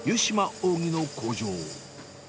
扇の工場。